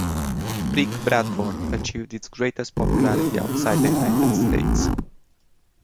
"Brick Bradford" achieved its greatest popularity outside the United States.